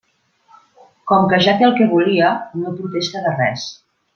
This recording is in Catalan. Com que ja té el que volia, no protesta de res.